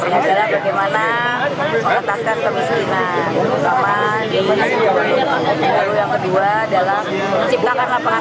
bagaimana melataskan kemiskinan